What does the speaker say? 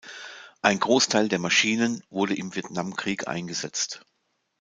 Ein Großteil der Maschinen wurde im Vietnamkrieg eingesetzt.